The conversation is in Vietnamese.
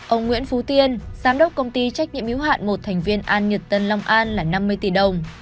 ông nguyễn phú tiên giám đốc công ty trách nhiệm hiếu hạn một thành viên an nhật tân long an là năm mươi tỷ đồng